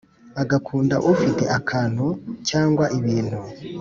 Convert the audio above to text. Agukunda ufite akantu cyangwa ibintu